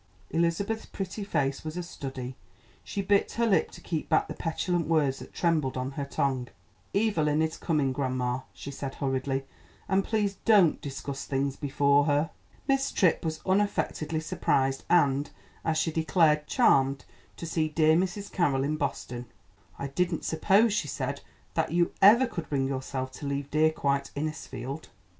Elizabeth's pretty face was a study; she bit her lip to keep back the petulant words that trembled on her tongue. "Evelyn is coming, grandma," she said hurriedly, "and please don't discuss things before her." Miss Tripp was unaffectedly surprised and, as she declared, "charmed" to see dear Mrs. Carroll in Boston. "I didn't suppose," she said, "that you ever could bring yourself to leave dear, quiet Innisfield."